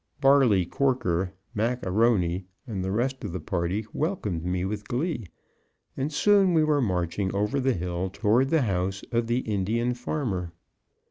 Barley Korker, Mac A'Rony and the rest of the party welcomed me with glee, and soon we were marching over the hill toward the house of the Indian farmer.